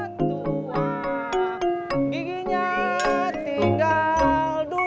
terima kasih bu